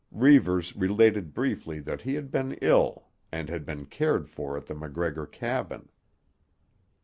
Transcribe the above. Reivers related briefly that he had been ill and had been cared for at the MacGregor cabin.